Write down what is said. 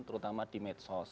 terutama di medsos